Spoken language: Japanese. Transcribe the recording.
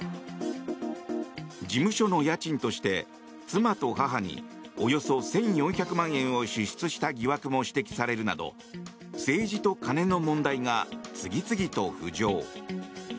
事務所の家賃として妻と母におよそ１４００万円を支出した疑惑も指摘されるなど政治と金の問題が次々と浮上。